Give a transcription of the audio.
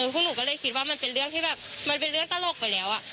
พวกหนูก็เลยคิดว่ามันเป็นเรื่องที่แบบมันเป็นเรื่องตลกไปแล้ว